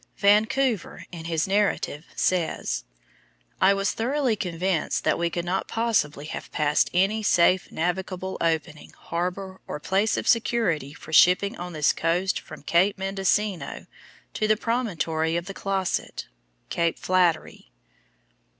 Vancouver in his narrative says, "I was thoroughly convinced that we could not possibly have passed any safe navigable opening, harbor, or place of security for shipping on this coast from Cape Mendocino to the promontory of Closset" (Cape Flattery).